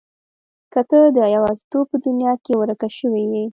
که ته د يوازيتوب په دنيا کې ورکه شوې يې.